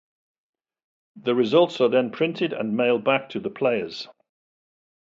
The results are then printed and mailed back to the players.